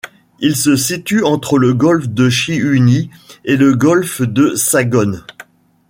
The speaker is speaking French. Il se situe entre le golfe de Chiuni et le golfe de Sagone.